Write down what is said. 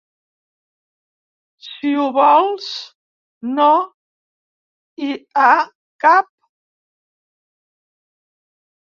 Si, ho, vols, no, hi, ha, cap...